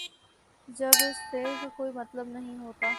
جب اس فعل کا کوئی مطلب نہیں ہوتا۔